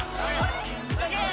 ・すげえ